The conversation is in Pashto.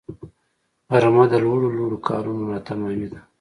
غرمه د لوړو لوړو کارونو ناتمامی ده